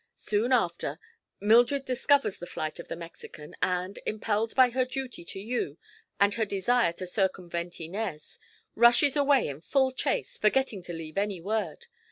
Soon after, Mildred discovers the flight of the Mexican and, impelled by her duty to you and her desire to circumvent Inez, rushes away in full chase, forgetting to leave any word.